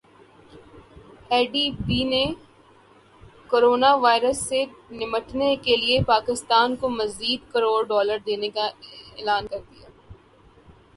اے D B نے corona virus سے نمٹنے کیلئے پاکستان کو مزید کروڑ ڈالر دینے کا اعلان کردیا